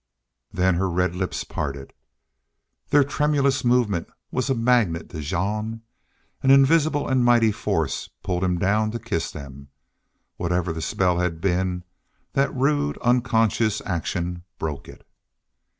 Then her red lips parted. Their tremulous movement was a magnet to Jean. An invisible and mighty force pulled him down to kiss them. Whatever the spell had been, that rude, unconscious action broke it.